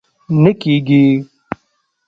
نه کېږي!